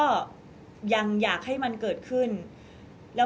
มิวยังมั่นใจนะคะว่ายังมีเจ้าหน้าที่ตำรวจอีกหลายคนที่พร้อมจะให้ความยุติธรรมกับมิว